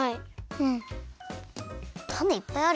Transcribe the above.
うん。